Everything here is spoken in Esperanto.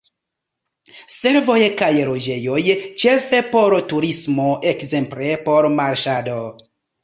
Servoj kaj loĝejoj, ĉefe por turismo, ekzemple por marŝado.